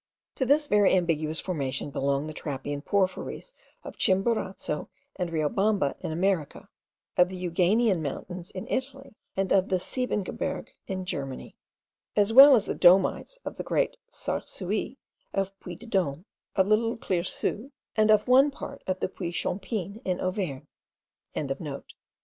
To this very ambiguous formation belong the trappean porphyries of Chimborazo and of Riobamba in America, of the Euganean mountains in Italy, and of the Siebengebirge in Germany; as well as the domites of the Great Sarcouy, of Puy de Dome, of the Little Cleirsou, and of one part of the Puy Chopine in Auvergne.)